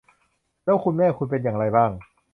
แล้วคุณแม่คุณเป็นอย่างไรบ้าง